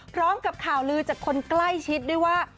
พร้อมกับข่าวลือจากคนใกล้ชิดด้วยว่า